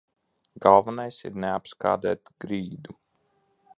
Galvenais ir neapskādēt grīdu.